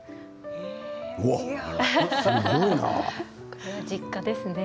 これは実家ですね。